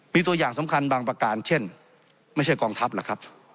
มีตัวอย่างสำคัญบางประการเช่นไม่ใช่กองทัพหรอกครับ